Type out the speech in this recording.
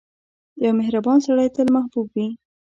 • یو مهربان سړی تل محبوب وي.